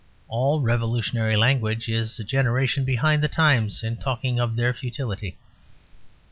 All revolutionary language is a generation behind the times in talking of their futility.